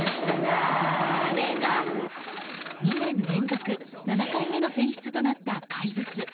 ２年連続７回目の選出となった「怪物」。